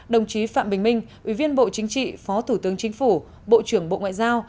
đồng chí phạm bình minh ủy viên bộ chính trị phó thủ tướng chính phủ bộ trưởng bộ ngoại giao